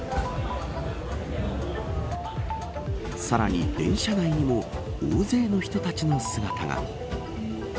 さらに電車内にも大勢の人たちの姿が。